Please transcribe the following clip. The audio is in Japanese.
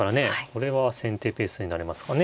これは先手ペースになりますかね。